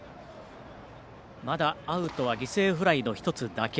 まだアウトは犠牲フライの１つだけ。